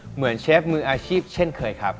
เชฟมืออาชีพเช่นเคยครับ